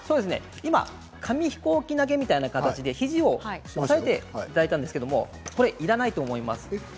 今、紙飛行機投げみたいな感じで肘を添えていただいたんですがこれはいらないと思います。